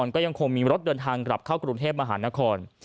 ก็ยังคงมีรถเดินทางกลับเข้ากรุงเทพมหานคร